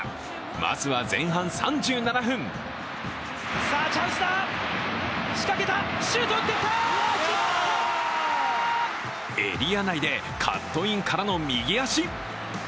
まずは前半３７分エリア内でカットインからの右足。